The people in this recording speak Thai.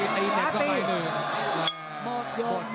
หมดยอมหมดยอม